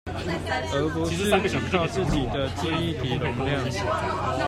而不是只靠自己的記憶體容量